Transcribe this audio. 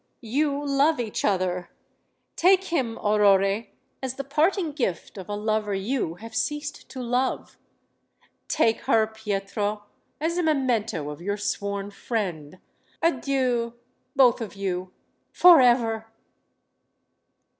You love each other. Take him, Aurore, as the parting gift of a lover you have ceased to love. Take her, Pietro, as a memento of your sworn friend. Adieu, both of you forever!"